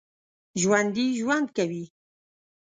ژوندي ژوند کوي